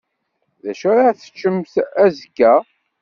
D acu ara teččemt azekka?